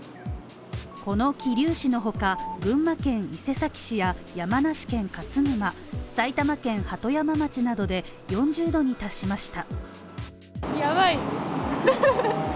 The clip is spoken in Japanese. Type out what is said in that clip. この桐生市のほか群馬県伊勢崎市や山梨県勝沼、埼玉県鳩山町などで４０度に達しました。